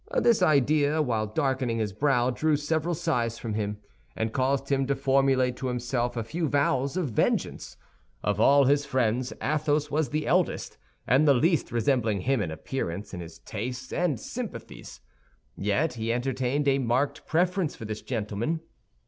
This idea, while darkening his brow, drew several sighs from him, and caused him to formulate to himself a few vows of vengeance. Of all his friends, Athos was the eldest, and the least resembling him in appearance, in his tastes and sympathies. Yet he entertained a marked preference for this gentleman.